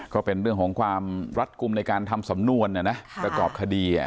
ก็เป็นเรื่องของความรัดกลุ่มในการทำสำนวนประกอบคดี